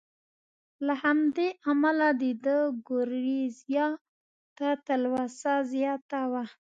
له همدې امله د ده ګورېزیا ته تلوسه زیاته وه.